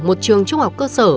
một trường trung học cơ sở